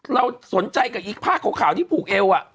เราสนใจกับผ้าข่าวที่ปลูกเอวอะ